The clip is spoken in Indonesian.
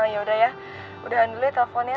yaudah ya udahan dulu ya telponnya